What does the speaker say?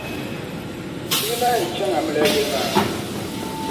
Ti bi lahi yεn chaŋ amiliya yili maa.